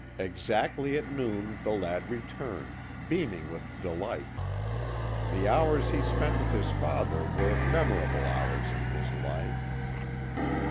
"Exactly at noon the lad returned, beaming with delight; the hours he spent with his father were memorable hours in his life.